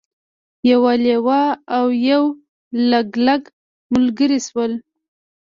یو لیوه او یو لګلګ ملګري شول.